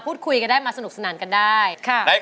เพื่อจะไปชิงรางวัลเงินล้าน